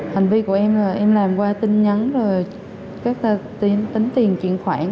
hành vi của em là em làm qua tin nhắn rồi các em tính tiền chuyển khoản